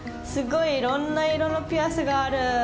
いろんな色のピアスがある。